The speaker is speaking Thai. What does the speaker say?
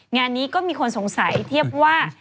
งานนี้ก็มีคนสงสัยเทียบว่า